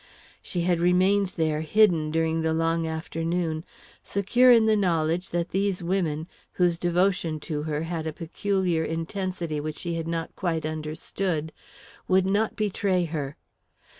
She had remained there, hidden, during the long afternoon, secure in the knowledge that these women, whose devotion to her had a peculiar intensity which she had not quite understood, would not betray her.